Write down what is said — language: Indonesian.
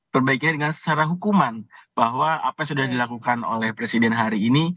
perbaiki dengan secara hukuman bahwa apa yang sudah dilakukan oleh presiden hari ini